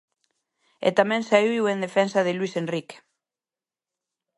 E tamén saíu en defensa de Luís Enrique.